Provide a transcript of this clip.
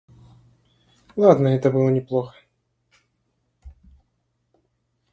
Ладно, это было неплохо.